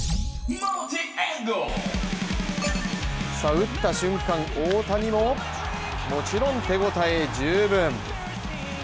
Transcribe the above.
打った瞬間、大谷ももちろん手応え十分。